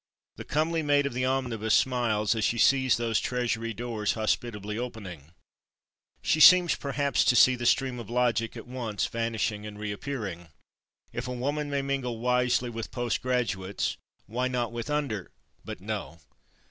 The comely maid of the omnibus smiles as she sees those treasury doors hospitably opening. She seems perhaps to see the stream of logic at once vanishing and reappearing. If a woman may mingle wisely with post graduates, why not with under but no.